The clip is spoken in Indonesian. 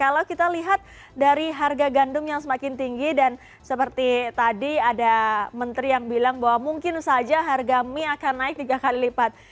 kalau kita lihat dari harga gandum yang semakin tinggi dan seperti tadi ada menteri yang bilang bahwa mungkin saja harga mie akan naik tiga kali lipat